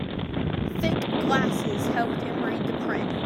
Thick glasses helped him read the print.